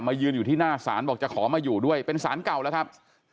ยืนอยู่ที่หน้าศาลบอกจะขอมาอยู่ด้วยเป็นสารเก่าแล้วครับ